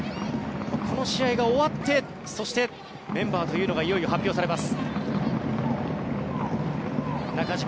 この試合が終わってそして、メンバーというのがいよいよ発表されます。